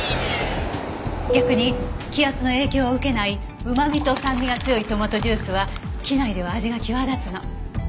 逆に気圧の影響を受けないうま味と酸味が強いトマトジュースは機内では味が際立つの。